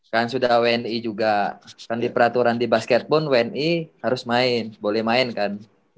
kan sudah wni juga kan diperaturan di basket pun wni harus main boleh main sih